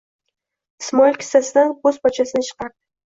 Ismoil kissasidan bo'z parchasini chiqardi: